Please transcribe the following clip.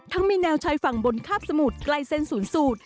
มีแนวชายฝั่งบนคาบสมุทรใกล้เส้นศูนย์สูตร